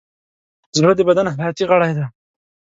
زړه د بدن حیاتي غړی دی.